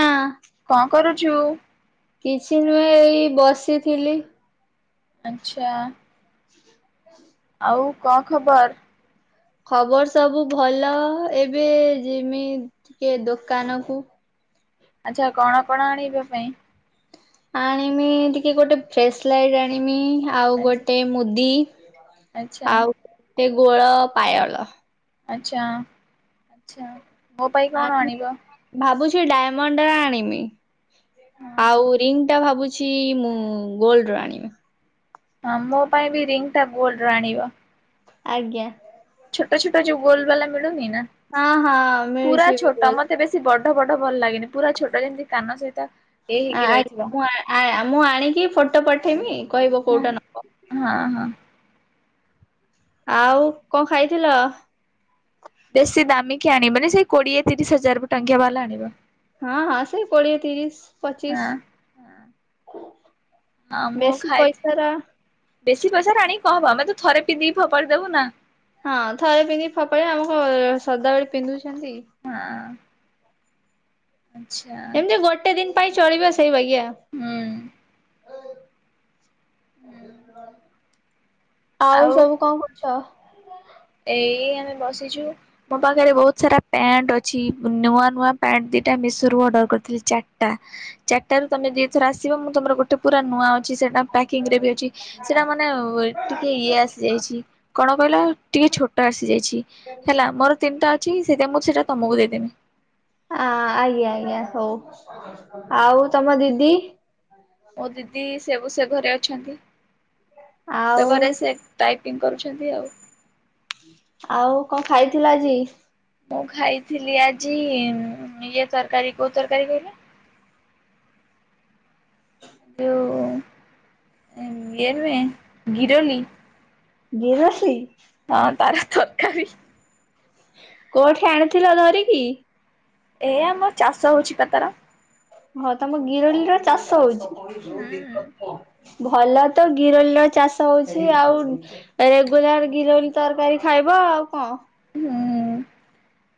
ନା କଣ କରୁଛୁ? କିଛି ନୁହେଁ ଏଇ ବସିଥିଲି। ଆଚ୍ଛା। ଆଉ କଁ ଖବର? ଖବର ସବୁ ଭଲ ଏବେ ଯିମି ଟିକେ ଦୋକାନ କୁ। ଆଚ୍ଛା କଣ କଣ ଆଣିବା ପାଇଁ? ଆଣିମି ଟିକେ ଗୋଟେ ଫ୍ଲେଶ୍ ଲାଇଟ୍ ଆଣିମି। ଆଉ ଆଚ୍ଛା ଗୋଟେ ମୁଦି ଆଚ୍ଛା ଆଉ ଟେ ଗୋଳ ପାୟଳ। ଆଚ୍ଛା ଆଚ୍ଛା। ମୋ ପାଇଁ କଣ ଆଣିବ? ଭାବୁଛି ଡାଇମଣ୍ଡ ର ଆଣିମି, ହଁ ଆଉ ରିଙ୍ଗ୍ ଟା ଭାବୁଛି ମୁଁ ଗୋଲ୍ଡ ର ଆଣିମି। ହଁ ମୋ ପାଇଁ ବି ରିଙ୍ଗ୍ ଟା ଗୋଲ୍ଡ ର ଆଣିବ। ଆଜ୍ଞା। ଛୋଟ ଛୋଟ ଯୋଉ ଗୋଲ୍ ବାଲା ମିଳୁନି ନା। ହଁ ହଁ ମିଳୁଛି ଏବେ ଗୋଲ ସେ ବଡ ବଡ ଭଲ ଲାଗେନି ପୁରା ଛୋଟ ଯେମତି କାନ ସହିତ। ଏ ହେଇକି ଆ-ଆଇକି ରହିଥିବ। ମୁଁ ଆ-ଆ-ଆମ୍ ମୁଁ ଆଣିକି ଫଟୋ ପଠେଇମି କହିବ କୋଉଟା ନବ। ହଁ ହଁ। ଆଉ କଁ ଖାଇଥିଲ? ଦେଶୀ ଦାମକିିଆ ଆଣିବନି ସେଇ କୋଡିଏ ତିରିଶ୍ ହଜାର ବ ଟଙ୍କିଆ ବାଲା ଆଣିବ। ହଁ ହଁ ସେଇ କୋଡିଏ ତିରିଶ ହଁ ପଚିଶ। ହଁ ମୁଁ ବେଶୀ ଖାଇଛି, ପଇସାର ବେଶୀ ପଇସା ରେ ଆଣିକି କଣ ହବ ଆମେ ତ ଥରେ ପିନ୍ଧିକି ଫୋପାଡି ଦବୁ ନା। ହଁ ଥରେ ପିନ୍ଧିକି ଫୋପାଡିବା ଆମେ କଣ ସଦାବେଳେ ପିନ୍ଧୁଛନ୍ତି। ହଁ। ଆଚ୍ଛା। ଏମିତି ଗୋଟେ ଦିନ୍ ପାଇଁ ଚଳିବା ସେଇ ବାଗିଆ। ହୁଁ ହୁଁ ଆଉ ସବୁ କଣ କରୁଛ? ଏଇ ଆମେ ବସିଛୁ। ମୋ ପାଖରେ ବହୁତ ସାରା ପ୍ୟାଣ୍ଟ୍ ଅଛି, ନୂଆ ନୂଆ ପ୍ୟାଣ୍ଟ୍ ଦି ଟା ମେଶୋ ରୁୁ ଅର୍ଡର କରିଥିଲି ଚାର୍ ଟା। ଚାର୍ ଟା ରୁ ତମେ ଦି ଥର ଆସିବ, ମୁଁ ତମର ଗୋଟେ ପୁରା ନୂଆ ଅ ଛି ସେଟା ପ୍ୟାକିଙ୍ଗ୍ ରେ ବି ଅଛି, ସେଟା ମାନେ ଓ-ଏ ଟିକେ ଇଏ ଆସିଯାଇଛି କଣ କହିଲ ଟିକେ ଛୋଟ ଆସିଯାଇଛି ହେଲା ମୋର ତିନିଟା ଅଛି ସେଇଥିପାଇଁ ମୁଁ ସେଇଟା ତମକୁ ଦେଇଦେମି। ଅ-ଅ ଆଜ୍ଞା ଆଜ୍ଞା ହଉ, ଆଉ ତମ ଦିଦି। ମୋ ଦିଦି ସେବୁ ସେ ଘରେ ଅଛନ୍ତି, ସେ ଆଉ ଘରେ ସେ ଟାଇପିଙ୍ଗ୍ କରୁଛନ୍ତି ଆଉ। ଆଉ କଁ ଖାଇଥିଲ ଆଜି? କଅ ଖାଇଥିଲି ଆଜି ଇଏ ତରକାରୀ କୋଉ ତରକାରୀ କହିଲେ। ଯଉ ଇଏ ନୁହେଁ ଗିରୋଲି। ଗିରୋସି। ହଁ ତାର ତରକାରି କୋଉଠି ଆଣିଥିଲ ଧରିକି? ଏ ଆମ ଚାଷ ହଉଛି ପା ତାର। ହଁ ତମ ଗିରୋଲି ର ଚାଷ ହୁଁ ହଉଛି। ଭଲ ତ ଗିରୋଲ୍ ର ଚାଷ ହଉଛି ଆଉ ରେଗୁଲାର ଗିରୋନୀ ତରକାରୀ ଖାଇବ ଆଉ କଣ?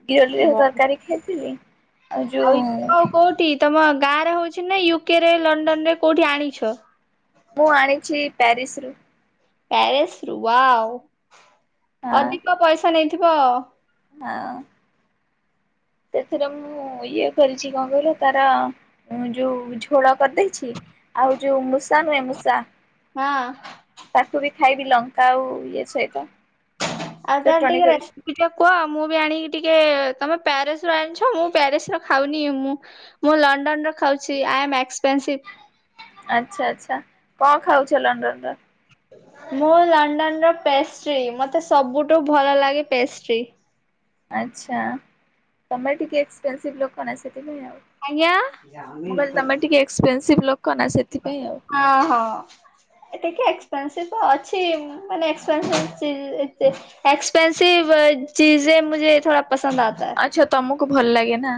ଗିରଳି ବ ତରକାରୀ ଖାଇଥିଲି ଆଉ ଇଣ୍ଟୋ କୋଉଠି ତମ ଗାଁ ରେ ହଉଛି ନା ୟୁକେ ରେ ଲଣ୍ଡନ ରେ କୋଉଠି ଆଣିଛ? ମୁଁ ଆଣିଛି ପ୍ୟାରିସ ରୁ। ପ୍ୟାରିସ ରୁ ୱା ଅଧିକ ପଇସା ନେଇଥିବ ଆଉ। ଆଉଁ ସେଥିରେ ମୁଁ ଇଏ କରିଛି କଣ କହିଲ ତାର ଯୋଉ ଝୋଳ କରିଦେଇଛି ଆଉ ଯୋଉ ମୂଷା ନୁହେଁ ମୂଷା ହଁ ତାକୁ ବି ଖାଇବି ଲଙ୍କା ଆଉ ଇଏ ସହିତ। ଆଜାନ ଚଟଣି ଟିଗ୍ରେ କରିଛି। ଟିକେ କୁହ ମୁଁ ବି ଆଣିକି ଟିକେ ତମେ ପ୍ୟାରିସ ରୁ ଆଣିଛ ମୁଁ ପ୍ୟାରିସର ଖାଉନି ମୁଁ ମୁଁ ଲଣ୍ଡନ ର ଖାଉଛି ଆଇ ଆମ ଏକ୍ସପେନ୍ସିଭ। ଆଚ୍ଛା ଆଚ୍ଛା କଣ ଖାଉଛ ଲଣ୍ଡନ ର? ମୁଁ ଲଣ୍ଡନର ପେଷ୍ଟ୍ରି ମୋତେ ସବୁଠୁ ଭଲ ଲାଗେ ପେଷ୍ଟ୍ରି। ଆଚ୍ଛା ତମେ ଟିକେ ଏକ୍ସପେନ୍ସିଭ୍ ଲୋକ ନା ସେଥିପାଇଁ ଆଉ। ଆଜ୍ଞା ମୁଁ ଜାଓମିନ୍ କହିଲି ତମେ କରିଚି। ଟିକେ ଏକ୍ସପେନସିଭ ଲୋକ ନା ସେଥିପାଇଁ ଆଉ। ହଁ ହଁ ଟିକେ ଏକ୍ସପେନସିଭ ଅଛି ମାନେ ଏକ୍ପେପେନ୍ସିଭ ଚି ଏକ୍ସପେସିଭ ଚିଜେ ମୁଝେ ଥଡା ପସନ୍ଦ ଆତାଏ। ଆଚ୍ଛା ତମକୁ ଭଲ ଲାଗେ ନା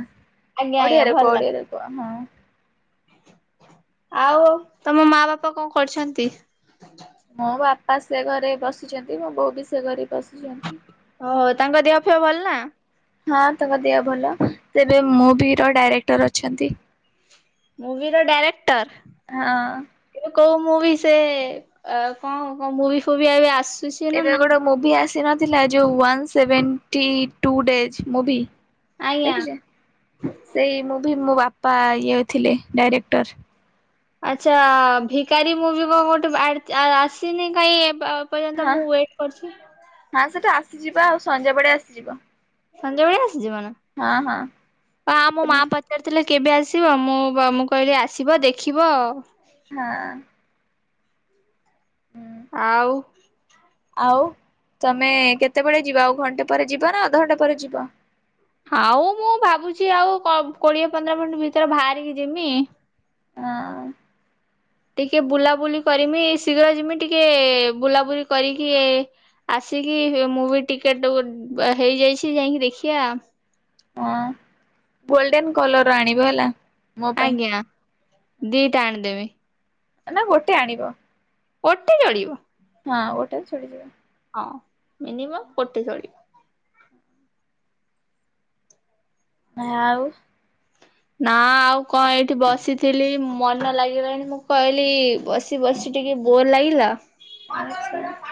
ଆଜ୍ଞା ଆଜ୍ଞା ଓଡିଆରେ ଭଲ କୁହ ଲାଗେ ଓଡିଆରେ କୁହ ହଁ। ଆଉ ତମ ମା ବାପା କଣ କରଛନ୍ତି? ମୋ ବାପା ସେ ଘରେ ବସିଛନ୍ତି ମୋ ବୋଉ ବି ସେ ଘରେ ବସିଛନ୍ତି ଓହୋ ତାଙ୍କ ଦେହ ଫୁହ ଭଲ ନା? ହଁ ତାଙ୍କ ଦେହ ଭଲ ତେବେ ମୁଭି ର ଡାଇରେକ୍ଟର ଅଛନ୍ତି। ମୁଭିର ଡାଇରେକ୍ଟର ହଁ କହୁ ମୁଁ ଭି ସେ ଅ କଣ କଣ ମୁ ଭି ଫୁଭି ଏବେ ଆସୁ ଏବେ ଗୋଟେ ମୁଭି ଆସିନଥିଲା ଯୋଉ one seventy two days movie. ଆଜ୍ଞା। ଦେଖିଛେ ସେଇ ମୁଁ ମୁଭି ମୋ ବାପା ଇଏ ଥିଲେ ଡାଇରେକ୍ଟର। ଆଚ୍ଛା ଭିକାରୀ ମୁଭି କଣ ଗୋଠେ ଭା ଆସିନି କହିଁ ଏ ପ ଏ ପର୍ଯ୍ୟନ୍ତ ହଁ ମୁଁ ୱେଟ୍ କରଚି। ହଁ ସେଟା ଆସିଯିବା ଆଉ ସନ୍ଧ୍ୟା ବେଳେ ଆସିଯିବ। ସଞ୍ଜବେଳେ ଆସିଯିବ ନା? ହଁ ହଁ ଆ ମୋ ମୋ ମା ପ ପଚାରୁ ଥିଲେ କେବେ ଆସିବ ମୁଁ ମୁଁ କହିଲି ଆସିବ ଦେଖିବ ହଁ। ହୁଁ ଆଉ? ଆଉ ତମେ କେତେବେଳେ ଯିବ ଆଉ ଘଣ୍ଟେ ପରେ ଯିବ ନା ଅଧଘଣ୍ଟା ପରେ ଯିବ? ଆଉ ମୁଁ ଭାବୁଚି ଆଉ କ- କୋଡିଏ ପନ୍ଦର ମିନିଟ୍ ଭିତରେ ବାହାରିକି ଯିମି ହଁ। ଟିକେ ବୁଲାବୁଲି କରିମି ଶୀଘ୍ର ଯିମି ଟିକେ ବୁଲାବୁଲି କରିକି ଆସିକି ମୁଁ ବି ଟିକେଟ ହେଇଯାଇଛି ଯାଇଁକି ଦେଖି ଆ। ହଁ ବୋଲଡେନ କଲର ର ଆଣିବ ହେଲା। ମୋ ପାଇଁ ଆଜ୍ଞା ଦିଟା ଆଣିଦେବେ। ନା ଗୋଟେ ଆଣିବ। ଗୋଟେ ଚଳିବ। ହଁ ଗୋଟେକୁ ଛିଡ଼ିଯିବ ହଁ ମିନିମମ୍ ଗୋଟେ ଚଳିବ। ନା ଆଉ ନା ଆଉ କଣ ଏଇଠି ବସିଥିଲି ମନ ଲାଗିଲାଣି ମୁଁ କହିଲି ବ ବସି ବସି ଟିକି ବୋର୍ ଲାଗିଲା। [inaudible]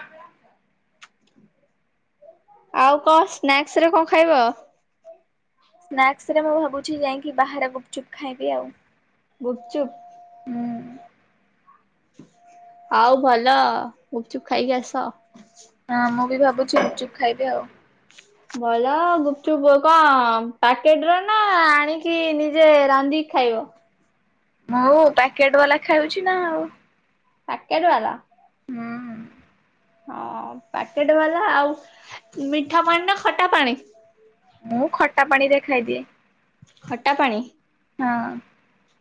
ଆଉ କଣ ସ୍ନାକ୍ସରେ କଣ ଖାଇବ? ସ୍ନାକ୍ସରେ ମୁଁ ଭାବୁଛି ଯାଇକି ବାହାରେ ଗୁପଚୁପ୍ ଖାଇବି ଆଉ ଗୁପଚୁପ୍। ହୁଁ। ଆଉ ଭଲ ଗୁପଚୁପ ଖାଇକି ଆସ। ହଁ ମୁଁ ବି ଭାବୁଛିୁ ଗୁପଚୁପ ଖାଇବି ଆଉ ଭଲ ଗୁପଚୁପ କଣ ପ୍ୟାକେଟର ନା ଆଣିକି ନିଜେ ରାନ୍ଧିକି ଖାଇବ? ମୁଁ ପ୍ୟାକେଟ ବାଲା ଖାଉଛି ନା ଆଉ ପାକେଟ ବାଲା। ହୁଁ ହଁ ପାକେଟ ବାଲା ଆଉ ମିଠା ପାଣି ନା ଖଟା ପାଣି। ମୁଁ ଖଟା ପାଣିରେ ଖାଇଦିଏ। ଖଟାପାଣି। ହଁ।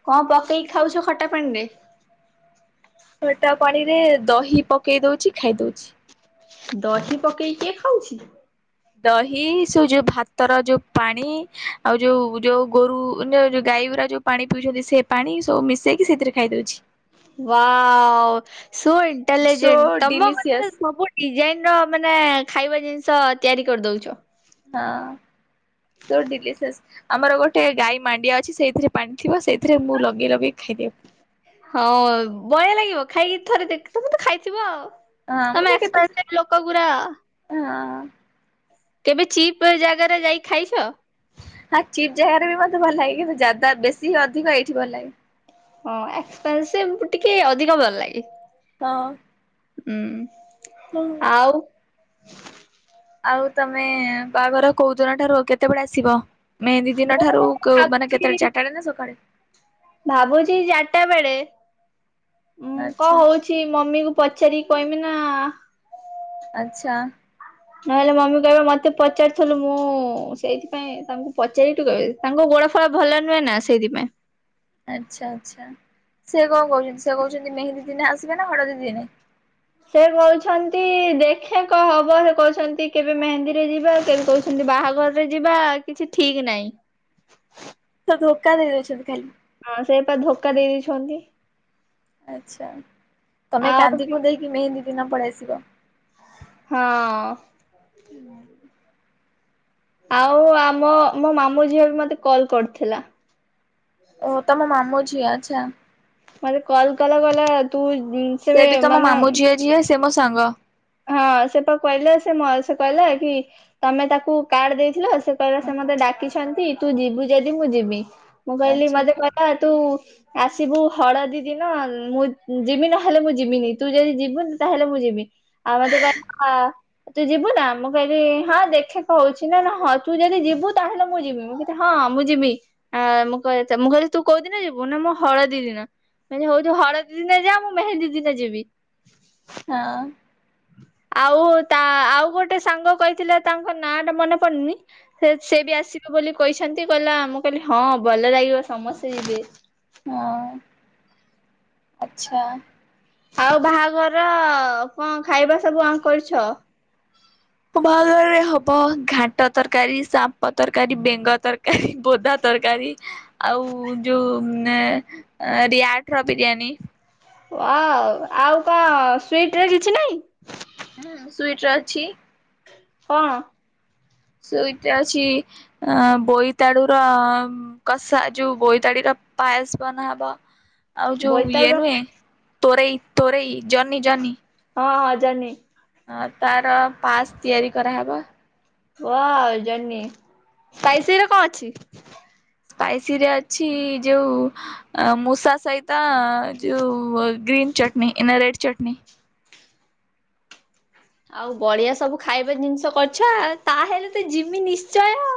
କଣ ପକେଇକି ଖାଉଛ ଖଟାପାଣିରେ? ଖଟା ପାଣିରେ ଦହି ପକେଇ ଦଉଛି ଖାଇ ଦଉଛି। ଦହି ପକେଇ କିଏ ଖାଉଛି? ଦହି ସେ ଯୋଉ ଭାତର ଯୋଉ ପାଣି ଆଉ ଯୋଉ ଯୋଉ ଗୋରୁ ଯୋଉ ଗାଈଗୁରା ଯୋଉ ପାଣି ପିଉଛନ୍ତି ସେ ପାଣି ସବୁ ମିଶେଇକି ସେଇଥିରେ ଖାଇଦଉଛି। ୱାଓ ସୋ ସୋ ଇଣ୍ଟେଲିଜେଣ୍ଟ ତମ କଥା ଡିଲିସିୟସ୍ ସବୁ ଡିଜାଇନର ମାନେ ଖାଇବା ଜିନିଷ ତିଆରି କରିଦଉଛ। ହଁ। ଡେ଼ଲିସେସ ଆମର ଗୋଟେ ଗାଈ ମାଣ୍ଡିଆ ଅଛି ସେଇଥିରେ ପାଣି ଥିବ ସେଇଥିରେ ମୁଁ ଲଗେଇ ଲଗେଇ ଖାଇଦିଏ। ହଁ ଭଳିଆ ଲାଗିବ ଖାଇକି ଥରେ ତମେ ତ ଖାଇଥିବ ଆଉ ହଁ ମୁଁ ତ ତମେ କେତେ ଏକ୍ସପାଟିଟ ଲୋକ ପୁରା। ହଁ। କେବେ ଚିପ୍ ଜାଗାରେ ଯାଇକି ଖାଇଛ? ହଁ ଚିପ୍ ଜାଗାରେ ବି ମତେ ଭଲ ଲାଗେ କିନ୍ତୁ ଯାଦା ବେଶୀ ଅଧିକ ଏଇଠି ଭଲ ଲାଗେ। ହଁ ଏକ୍ସପେନ୍ସିପି ଟିକେ ଅଧିକ ଭଲ ଲାଗେ। ହଁ। ହୁଁ। ହଁ। ଆଉ ଆଉ ତମେ ବାହାଘର କୋଉଦିନ ଠାରୁ କେତେବେଳେ ଆସିବ? ମେହେନ୍ଦୀ ମୁଁ ଦିନଠାରୁ ମାନେ ଭାବୁଛି କେତେବେଳେ ଚାରିଟାଡେ ନା ସକାଳେ? ଭାବୁଛି ଚାରିଟା ବେଳେ ଉଁ କଣ ଆଚ୍ଛା ହଉ ଛି ମମିକୁ ପଚାରିକି କହିମି ନା ଆଚ୍ଛା। ନହେଲେ ମମି କହିବା ମତେ ପଚାରିଥିଲୁ ମୁଁ ସେଇଥିପାଇଁ ତାଙ୍କୁ ପଚାରିଠୁ କହିବେ ତାଙ୍କ ଗୋଡ ଫଳ ଭଲ ନୁହେଁ ନା ସେଇଥିପାଇଁ। ଆଚ୍ଛା ଆଚ୍ଛା ସେ କଣ କହୁଛନ୍ତି ସେ କହୁଛନ୍ତି ମେହେନ୍ଦୀ ଦିନେ ଆସିବେ ନା ହଳଦୀ ଦିନେ? ସେ କହୁଛନ୍ତି ଦେଖେ କଣ ହବ ସେ କହୁଛନ୍ତି କେବେ ମେହେନ୍ଦୀରେ ଯିବା କେବେ କହୁଛନ୍ତି ଖାଲି ବାହାଘରରେ ଯିବା କିଛି ଠିକ ନାହିଁ। ତ ଧୋକା ଦେଇ ଦେଇଛନ୍ତି ଖାଲି। ହଁ ସେଇପା ଧୋକା ଦେଇ ଦେଇଛନ୍ତି। ଆଚ୍ଛା ତମେ ଆଉ କାନ୍ଦି କୁନ୍ଦାକି ମେହେନ୍ଦୀ ଦିନ ପଳେଇ ଆସିବ। ହଁ। ହୁଁ ଆଉ ଆମ ମୋ ମାମୁଁ ଝିଅ ବି ମତେ କଲ୍ କରିଥିଲା। ଓ ତମ ମାମୁଁ ଝିଅ ଆଚ୍ଛା। ମତେ କଲ କଲା କହିଲା ତୁ ସେ ବି [unintelligible] ତମ ମାନେ ମାମୁଁ ଝିଅ ଯିଏ ସେ ମୋ ସାଙ୍ଗ। ହଁ ସେତ କହିଲା ସେ ମ ସେ କହିଲା କି ତମେ ତାକୁ କାର୍ଡ଼ ଦେଇଥିଲ ସେ କହିଲା ସେ ମତେ ଡାକିଛନ୍ତି ତୁ ଯିବୁ ଯଦି ମୁଁ ଯିବି ମୁଁ କହିଲି ଆଚ୍ଛା ମତେ କହିଲା ତୁ ଆସିବୁ ହଳଦୀ ଦିନ ମୁଁ ଯିବି ନହେଲେ ମୁଁ ଯିବିନି ତୁ ଯଦି ଯିବୁନି ତାହେଲେ ମୁଁ ଯିବି। ଆଉ ମତେ କହିଲା ତୁ ଯିବୁ ନା ମୁଁ କହିଲି ହଁ ଦେଖେ [unintelligible] ‌ନା ହଁ ତୁ ଯଦି ଯିବୁ ତାହେଲେ ମୁଁ ଯିବି। ହଁ ମୁଁ ଯିବି ଆ ମୁଁ କହି ମୁଁ କହିଲି ତୁ କୋଉଦିନ ଯିବୁ ନା ମୁଁ ହଳଦୀ ଦିନ। ମୁଁ କହିଲି ହଉ ତୁ ହଳଦୀ ଦିନ ଜା ମୁଁ ମେହେନ୍ଦୀ ଦିନ ଯିବି। ହଁ। ଆଉ ତା ଆଉ ଗୋଟେ ସାଙ୍ଗ କହିଥିଲା ତାଙ୍କ ନାଁ ଟା ମନେ ପଡୁନି। ସେ ସେ ବି ଆସିବ ବୋଲି କହିଛନ୍ତି କହିଲା ମୁଁ କହିଲି ହଁ ଭଲ ଲାଗିବ ସମସ୍ତେ ଯିବେ। ହଁ ଆଚ୍ଛା। ଆଉ ବାହାଘର କଣ ଖାଇବା ସବୁ କଣ କରିଛ? ମୋ ବାହାଘର ରେ ହବ ଘାଣ୍ଟ ତରକାରୀ, [unintelligible] ତରକାରୀ, ବେଙ୍ଗ ତରକାରୀ, ବୋଦା ତରକାରୀ। ଆଉ ଯୋଉ ଏ ରିଆଟର ବିରିୟାନୀ। ୱାଓ ଆଉ କଣ ସ୍ବିଟ୍ ରେ କିଛି ନାଇଁ? ହୁଁ ସ୍ବିଟ୍ ରେ ଅଛି। କଣ? ସ୍ବିଟ୍ ରେ ଅଛି ଆଁ ବୋଇତାଳୁ ର କଷା ଯୋଉ ବୋଇତାଡି଼ର ପାଏସ ବନାହବ ଆଉ ଯୋଉ ଇଏ ବୋଇତାଳୁ ନୁହେଁ। ତୋରେଇ ତୋରେଇ ଜହ୍ନି ଜହ୍ନି। ହଁ ହଁ ଜହ୍ନି। ହଁ ତାର ପାସ୍ ତିଆରି କରାହେବ। ୱାଓ ଜହ୍ନି ସ୍ପାଇସିରେ କଣ ଅଛି? ସ୍ପାଇସି ରେ ଅଛି ଯୋଉ ଆ ମୂଷା ସହି ତା ଯୋଉ ଗ୍ରୀନ୍ ଚଟନି ନା ରେଡ଼ ଚଟନି। ଆଉ ବଢ଼ିଆ ସବୁ ଖାଇବା ଜିନିଷ କରିଛ ତାହେଲେ ତ ଜିମି ନିଶ୍ଚୟ।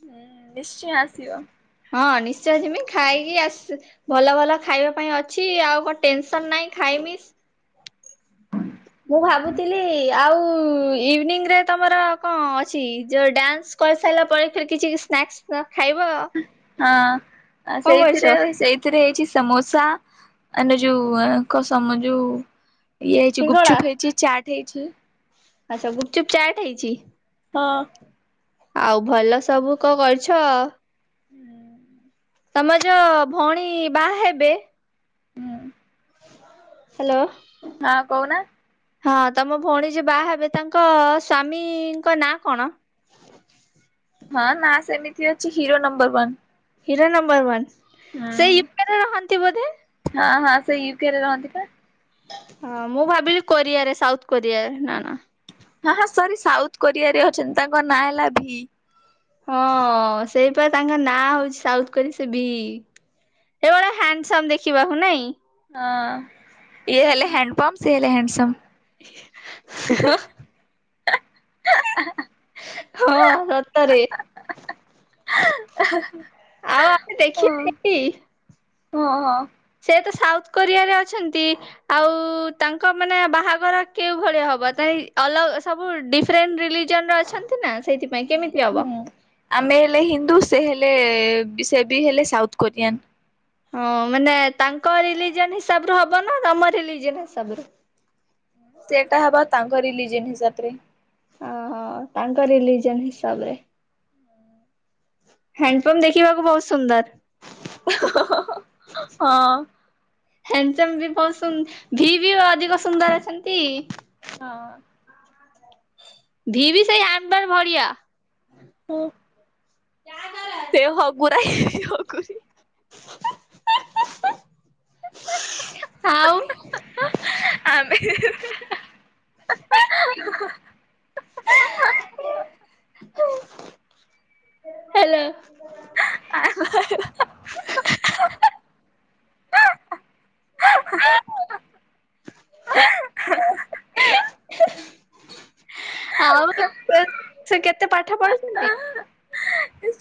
ହୁଁ ନିଶ୍ଚୟ ଆସିବ। ହଁ ନିଶ୍ଚୟ ଯିମି ଖାଇକି ଆସି ଭଲ ଭଲ ଖାଇବା ପାଇଁ ଅଛି ଆଉ କଣ ଟେନସନ୍ ନାହିଁ ଖାଇମି। ମୁଁ ଭାବୁଥିଲି ଆଉ ଇଭିନିଙ୍ଗ୍ ରେ ତମର କଣ ଅଛି ଯୋଉ ଡ୍ୟାନ୍ସ କରିସାରିଲା ପରେ କିଛି ସ୍ନାକ୍ସ ଖାଇବ? ହଁ କଣ କରିଛ ସେଇଥିରେ ସେଇ ସେଥିରେ ହେଇଛି ସମୋସା ଆଣ୍ଡ୍ ଯୋଉ କସମ ଯୋଉ ଇଏ ହେଇଛି ସିଙ୍ଗଡା? ଗୁପଚୁପ ହେଇଛି ଚାଟ୍ ହେଇଛି। ଆଚ୍ଛା ଗୁପଚୁପ ଚାଟ୍ ହେଇଛି। ହଁ। ଆଉ ଭଲ ସବୁ କ କରୁଛ। ହୁଁ। ତମର ଯୋଉ ଭଉଣୀ ବାହା ହେବେ ହୁଁ। ହ୍ୟାଲୋ। ହଁ କହୁନ। ହଁ ତମ ଭଉଣୀ ଯେ ବାହା ହେବେ ତାଙ୍କ ସ୍ଵାମୀଙ୍କ ନାଁ କଣ? ହଁ ନା ସେମିତି ଅଛି hero number one. Hero number one ସେ ହୁଁ ୟୁକେରେ ରହନ୍ତି ବୋଧେ? ହଁ ହଁ ସେ ୟୁକେରେ ରହନ୍ତି ପା। ହଁ ମୁଁ ଭାବିଲି କୋରିଆ ରେ ସାଉଥ କୋରିଆ ନା ନା ହଁ ହଁ ସରି ସାଉଥ କୋରିଆ ରେ ଅଛନ୍ତି ତାଙ୍କ ନାଁ ହେଲା ଭି। ହଁ ସେଇପା ତାଙ୍କ ନାଁ ହଉଛି ସାଉଥ କୋ ସେ ବି। ଏ ଗଟେ ହ୍ୟାଣ୍ଡସମ୍ ଦେଖିବାକୁ ନାଇଁ। ହଁ ଇଏ ହେଲେ ହ୍ୟାଣ୍ଡପମ୍ପ ସେ ହେଲେ ହ୍ୟାଣ୍ଡସମ୍। ଏ ଆ ହାଁ ହାଁ। ହଁ ସତରେ। ଆଉ ଆମେ ଦେଖିବା କେନ୍ତି? ହଁ ହଁ। ସେ ତ ସାଉଥ କୋରିଆରେ ଅଛନ୍ତି। ଆଉ ତାଙ୍କ ମାନେ ବାହାଘର କେଉ ଭଳିଆ ହବ ତ ଅଲ ସବୁ ଡି ଫ୍ରେଣ୍ଡ ରିଲିଜନ୍ ରେ ଅଛନ୍ତି ନା। ସେଇଥିପାଇଁ ହ କେମିତି ହବ ହୁଁ ଆମେ ହେଲେ ହିନ୍ଦୁ ସେ ହେଲେ ବି ସେ ବି ହେଲେ ସାଉଥ କୋରିଆନ୍। ହଁ ମାନେ ତାଙ୍କ ରିଲିଜନ ହିସାବରୁ ହବ ନା ତମ ରିଲିଜନ ହିସାବରୁ। ସେଇଟା ହବ ତାଙ୍କ ରିଲିଜିନ ହିସାବରେ। ଓହୋ ତାଙ୍କ ରିଲିଜନ ହିସାବରେ। ହ୍ୟାଣ୍ଡ ପମ୍ପ ଦେଖିବାକୁ ବହୁତ ସୁନ୍ଦର। [unintelligible] ହଁ। ହ୍ୟାଣ୍ଡସମ ବି ବହୁତ ଶୁ ଭି ବି ଅଧିକ ସୁନ୍ଦର ଅଛନ୍ତି। ହଁ। ଧି ବି ସେଇ ଆନବାର ଭଳିଆ। ହୁଁ। [unintelligible] ସେ ହଗୁରା ହଗୁରୀ [unintelligible] ଆଉ [unintelligible] ହାଲୋ ଆ [unintelligible] ଆଉ ସେ କେତେ ପାଠ ପଢିଛନ୍ତି?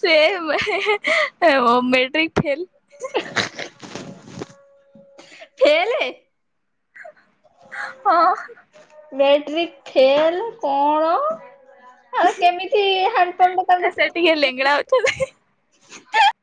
ସେ [unintelligible] ମେଟ୍ରିକ ଫେଲ। [unintelligible] ଫେଲେ ହଁ। ମେଟ୍ରିକ୍ ଫେଲ କଣ? ଆଉ କେମିତି ହଣ୍ଡପମ୍ପ ତାଙ୍କୁ ଲେଙ୍ଗେଡ଼ା [unintelligible]